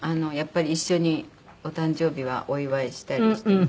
やっぱり一緒にお誕生日はお祝いしたりして。